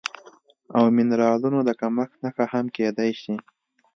او منرالونو د کمښت نښه هم کیدی شي